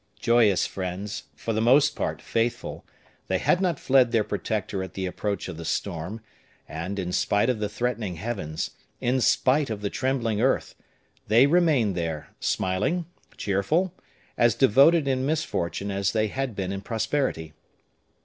Joyous friends, for the most part faithful, they had not fled their protector at the approach of the storm, and, in spite of the threatening heavens, in spite of the trembling earth, they remained there, smiling, cheerful, as devoted in misfortune as they had been in prosperity.